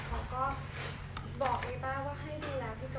แล้วก็เขาไม่ได้บอกถึงแค่เราดูแลเขาดีนะคะ